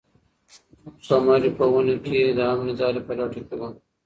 قمري په ونې کې د یوې امنې ځالۍ په لټه کې وه.